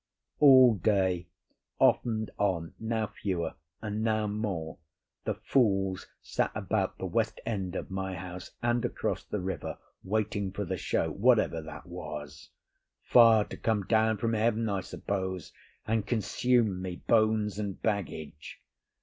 All day, off and on, now fewer and now more, the fools sat about the west end of my house and across the river, waiting for the show, whatever that was—fire to come down from heaven, I suppose, and consume me, bones and baggage.